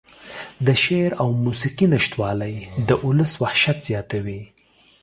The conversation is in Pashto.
د شعر او موسيقۍ نشتوالى د اولس وحشت زياتوي.